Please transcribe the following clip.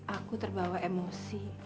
aku terbawa emosi